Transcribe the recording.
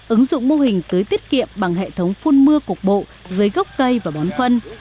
ứng dụng mô hình tưới tiết kiệm bằng hệ thống phun mưa cục bộ dưới gốc cây và bón phân